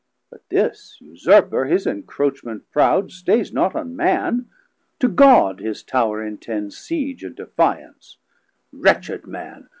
But this Usurper his encroachment proud Stayes not on Man; to God his Tower intends Siege and defiance: Wretched man!